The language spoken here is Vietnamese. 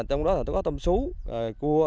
trong đó có tôm sú cua